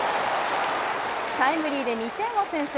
タイムリーで２点を先制。